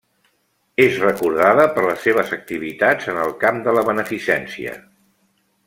És recordada per les seves activitats en el camp de la beneficència.